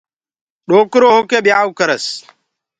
ڏوڪرو هوڪي ٻيآئو ڪرس